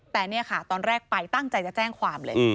แต่นี่ค่ะตอนแรกไปตั้งใจจะแจ้งความเลย